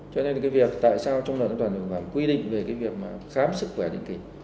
cho nên là cái việc tại sao trong đoàn an toàn thực phẩm quy định về cái việc mà khám sức khỏe định kỳ